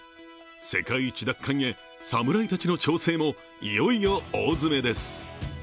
世界一奪還へ、侍たちの調整もいよいよ大詰めです。